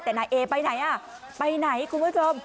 แต่นายเอไปไหนอ่ะไปไหนคุณผู้ชม